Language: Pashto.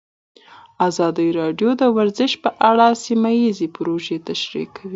ازادي راډیو د ورزش په اړه سیمه ییزې پروژې تشریح کړې.